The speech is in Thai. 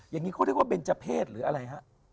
อย่างนี้เขาเรียกว่าเบนเจอร์เพศหรืออะไรฮะ